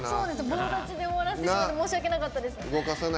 棒立ちで終わらせてしまって申し訳なかったです。